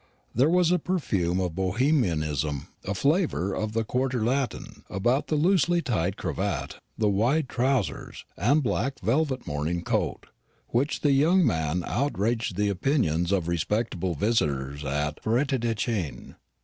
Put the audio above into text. There was a perfume of Bohemianism, a flavour of the Quartier Latin, about the loosely tied cravat, the wide trousers, and black velvet morning coat, with which the young man outraged the opinions of respectable visitors at Forêtdechêne.